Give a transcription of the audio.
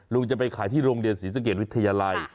ลุงจะไปขายที่โรงเรียนศรีสะเกดวิทยาลัย